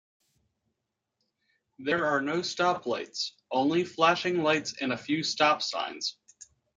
There are no stop lights, only flashing lights and a few stop signs.